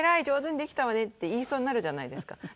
上手にできたわね」って言いそうになるじゃないですか。